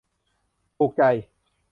ถูกใจ